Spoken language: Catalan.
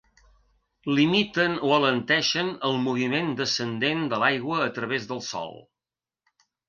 Limiten o alenteixen el moviment descendent de l'aigua a través del sòl.